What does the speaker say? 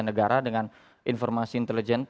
negara dengan informasi intelijen